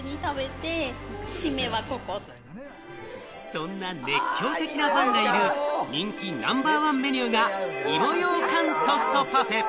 そんな熱狂的なファンがいる人気ナンバーワンメニューが芋ようかんソフトパフェ。